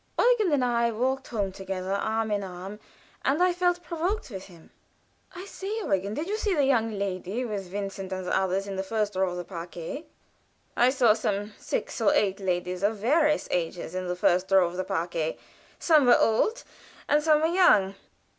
Eugen and I walked home together, arm in arm, and I felt provoked with him. "I say, Eugen, did you see the young lady with Vincent and the others in the first row of the parquet?" "I saw some six or eight ladies of various ages in the first row of the parquet. Some were old and some were young.